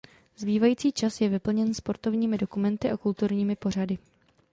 Zbývající čas je vyplněn sportovními dokumenty a kulturními pořady.